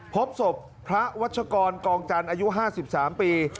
พบศพพระวัชกรกองจันทร์อายุ๕๓ปี